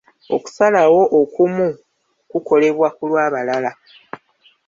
Okusalawo okumu kukolebwa ku lw'abalala.